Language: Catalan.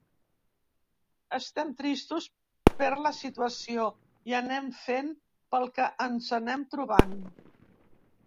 Estem tristos per la situació i anem fent pel que ens anem trobant.